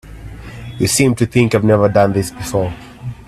You seem to think I've never done this before.